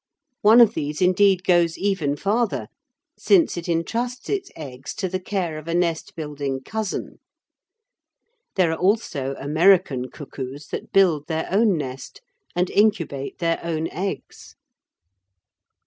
One of these indeed goes even farther, since it entrusts its eggs to the care of a nest building cousin. There are also American cuckoos that build their own nest and incubate their own eggs.